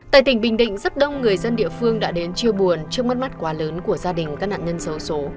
tại tỉnh bình định rất đông người dân địa phương đã đến chia buồn trước mắt mắt quá lớn của gia đình các nạn nhân xấu xố